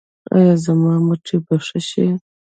ایا زما مټې به ښې شي؟